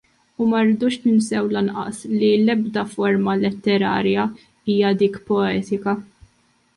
U ma rridux ninsew lanqas li l-eqdem forma letterarja hija dik poetika.